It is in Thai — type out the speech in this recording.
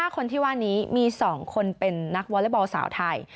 ๕คนที่ว่านี้มี๒คนเป็นนักวอเล็กบอลสาวไทย